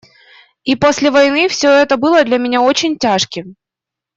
И после войны все это было для меня очень тяжким.